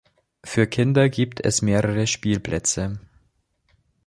Für Kinder gibt es mehrere Spielplätze.